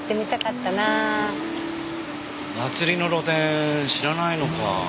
祭りの露店知らないのか。